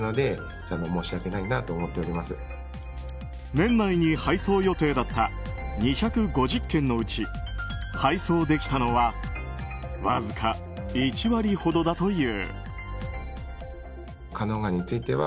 年内に配送予定だった２５０件のうち配送できたのはわずか１割ほどだという。